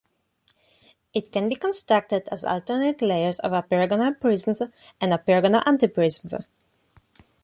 It can be constructed as alternate layers of apeirogonal prisms and apeirogonal antiprisms.